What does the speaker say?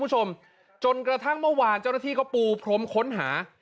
คุณผู้ชมจนกระทั่งเมื่อวานเจ้าหน้าที่ก็ปูพรมค้นหา